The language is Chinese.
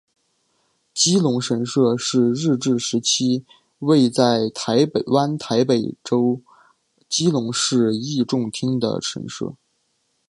基隆神社是日治时期位在台湾台北州基隆市义重町的神社。